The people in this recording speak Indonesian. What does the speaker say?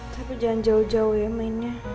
tapi jangan jauh jauh ya mainnya